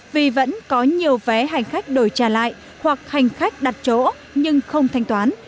vì vẫn có nhiều vé hành khách đổi trả lại hoặc hành khách đặt chỗ nhưng không thanh toán